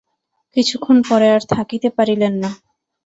কিছুক্ষণ পরে আর থাকিতে পারিলেন না।